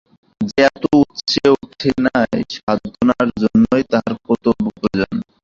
যে এত উচ্চে উঠে নাই, সাধনার জন্যই তাহার কর্তব্য প্রয়োজন।